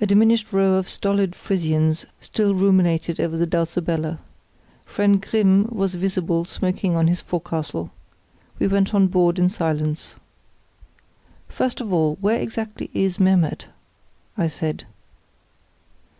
A diminished row of stolid Frisians still ruminated over the Dulcibella. Friend Grimm was visible smoking on his forecastle. We went on board in silence. "First of all, where exactly is Memmert?" I said.